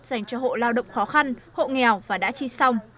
dành cho hộ lao động khó khăn hộ nghèo và đã chi xong